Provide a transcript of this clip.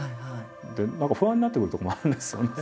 で何か不安になってくるとこもあるんですよね。